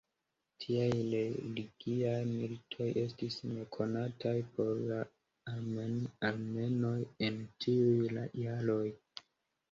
Tiaj religiaj militoj estis nekonataj por la armenoj en tiuj jaroj.